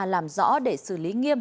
làm rõ để xử lý nghiêm